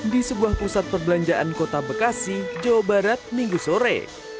di sebuah pusat perbelanjaan kota bekasi jawa barat minggu sore